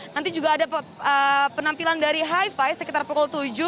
nanti juga ada penampilan dari hi fi sekitar pukul tujuh